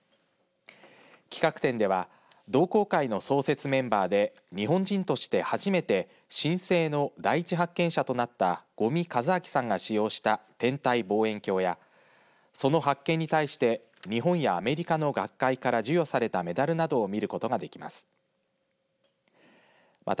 企画展では同好会の創設メンバーで日本人として初めて新星の第１発見者となった五味一明さんが使用した天体望遠鏡やその発見に対して日本やアメリカの学会から授与されたメダルなどを見ることができます。